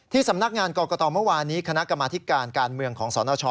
สำนักงานกรกตเมื่อวานนี้คณะกรรมาธิการการเมืองของสนช